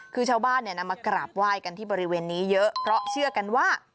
คือชาวบ้านเนี่ยนำมากราบไหว้กันที่บริเวณนี้เยอะเพราะเชื่อกันว่า